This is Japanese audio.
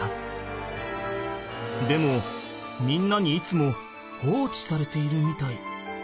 でもみんなにいつも放置されているみたい。